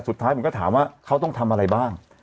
สุดท้ายผมก็ถามว่าเขาต้องทำอะไรบ้าง